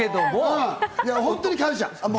本当に感謝。